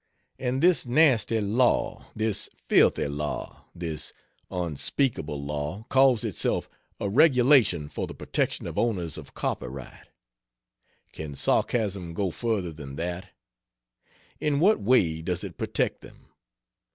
And this nasty law, this filthy law, this unspeakable law calls itself a "regulation for the protection of owners of copyright!" Can sarcasm go further than that? In what way does it protect them?